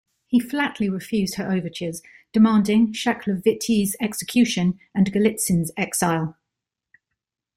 He flatly refused her overtures, demanding Shaklovityi's execution and Golitsyn's exile.